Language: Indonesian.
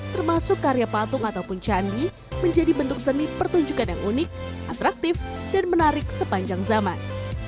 termasuk karya patung ataupun candi menjadi bentuk seni pertunjukan yang unik atraktif dan menarik sepanjang zaman